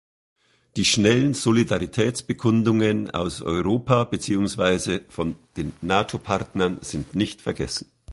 Die schnellen Solidaritätsbekundungen aus Europa beziehungsweise von den Nato-Partnern sind nicht vergessen.